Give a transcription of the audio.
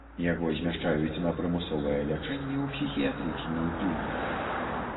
Яго змяшчаюць на прымусовае лячэнне ў псіхіятрычную клініку.